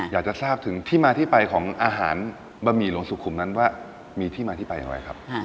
อยากจะทราบถึงที่มาที่ไปของอาหารบะหมี่หลวงสุขุมนั้นว่ามีที่มาที่ไปอย่างไรครับ